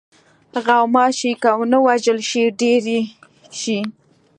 غوماشې که ونه وژلې شي، ډېرې شي.